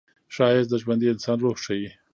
ښایست د ژوندي انسان روح ښيي